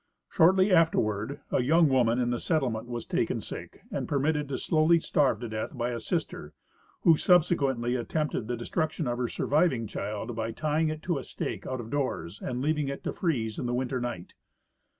Shortly afterward a young woman in the settlement was taken sick and permitted to slowly starve to death by a sister, who subsequently attempted the destruction of her surviving child by t3dng it to a stake out of doors and leaving it to freeze in the winter night.